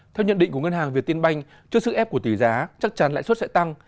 theo nhận định của ngân hàng việt tiên banh trước sức ép của tỷ giá chắc chắn lãi suất sẽ tăng